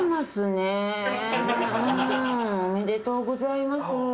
おめでとうございます。